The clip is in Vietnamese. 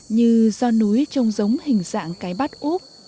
như do núi trông giống hình dạng cái bát úp